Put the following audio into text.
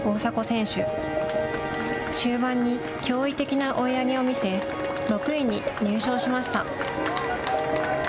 終盤に驚異的な追い上げを見せ６位に入賞しました。